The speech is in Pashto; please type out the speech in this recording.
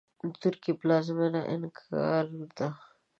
د ترکیې پلازمېنه انکارا ده .